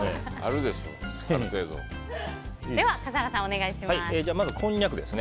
では笠原さん、お願いします。